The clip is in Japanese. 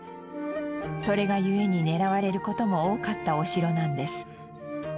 それが故に狙われる事も多かったお城なんです。